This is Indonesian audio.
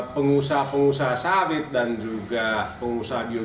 pengusaha pengusaha sawit dan juga pengusaha bios